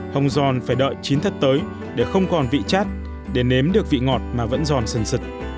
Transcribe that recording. hồng giòn phải đợi chín thất tới để không còn vị chát để nếm được vị ngọt mà vẫn giòn sừng sựt